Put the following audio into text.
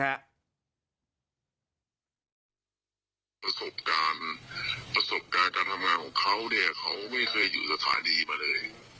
ประสบการณ์การทำงานของเขาเขาไม่เคยอยู่สถานีมาเลย